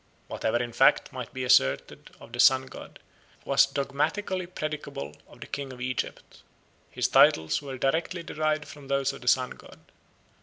Whatever in fact might be asserted of the Sun god, was dogmatically predicable of the king of Egypt. His titles were directly derived from those of the Sun god."